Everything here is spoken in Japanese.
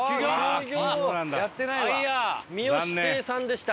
味良亭さんでした。